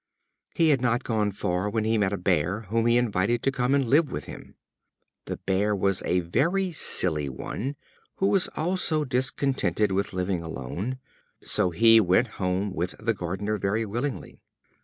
He had not gone far when he met a Bear, whom he invited to come and live with him. The Bear was a very silly one, who was also discontented with living alone, so he went home with the Gardener very willingly.